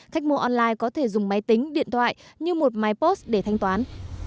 khách mua online có thể dùng máy tính điện thoại như một máy post để thanh toán